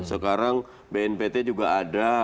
sekarang bnpt juga ada